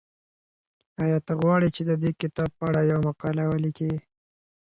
ایا ته غواړې چې د دې کتاب په اړه یوه مقاله ولیکې؟